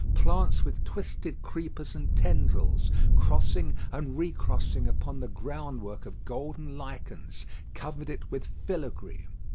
Plants with twisted creepers and tendrils, crossing and recrossing upon the groundwork of golden lichens, covered it with filigree.